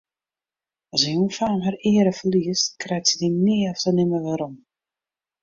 As in jongfaam har eare ferliest, krijt se dy nea ofte nimmer werom.